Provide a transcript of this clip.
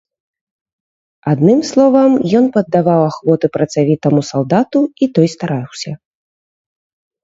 Адным словам, ён паддаваў ахвоты працавітаму салдату, і той стараўся.